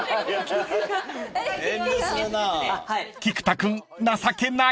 ［菊田君情けない］